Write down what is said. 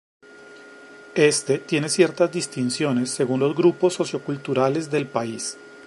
Este tiene ciertas distinciones según los grupos socioculturales del país.